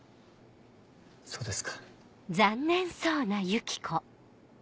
そうですか。